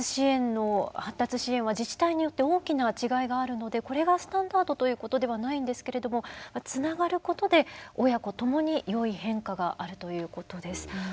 発達支援は自治体によって大きな違いがあるのでこれがスタンダードということではないんですけれどもつながることで親子ともに良い変化があるということです。